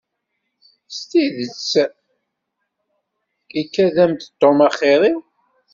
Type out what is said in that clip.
S tidet ikad-am-d Tom axir-iw?